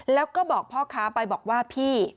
แล้วก็บอกพ่อค้าไปบอกว่าพี่